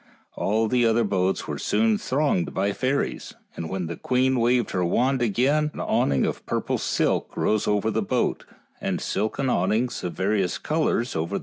All the other boats were soon thronged by fairies, and then the queen waved her wand again, and an awning of purple silk rose over the boat, and silken awnings of various colors over ib&m 'The c|iiccii \\ixh.